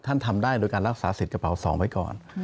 ทำได้โดยการรักษาสิทธิ์กระเป๋า๒ไว้ก่อน